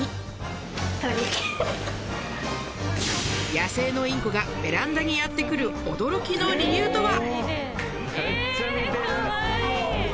野生のインコがベランダにやってくる驚きの理由とは？